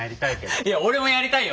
いや俺もやりたいよ。